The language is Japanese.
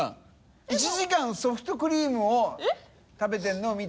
Δ１時間ソフトクリームを食べてるのを見た。